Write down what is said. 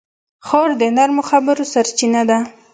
خور د نرمو خبرو سرچینه ده.